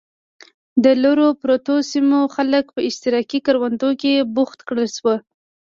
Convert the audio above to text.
د لرو پرتو سیمو خلک په اشتراکي کروندو کې بوخت کړل شول.